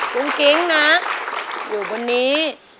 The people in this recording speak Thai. กุ้งกิ๊งนะอยู่บนนี้